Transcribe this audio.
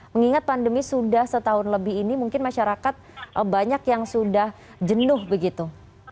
mengingat pandemi sudah setahun lebih ini mungkin masyarakat banyak yang sudah jenuh begitu